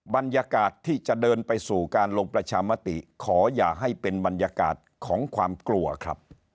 บรรยากาศที่จะเดินไปสู่การลงประชามติขออย่าให้เป็นบรรยากาศของความกลัวครับ